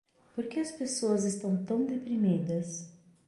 Por que as pessoas estão tão deprimidas?